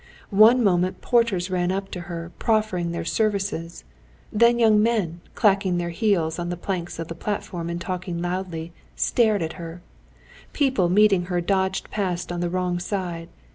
One moment porters ran up to her proffering their services, then young men, clacking their heels on the planks of the platform and talking loudly, stared at her; people meeting her dodged past on the wrong side.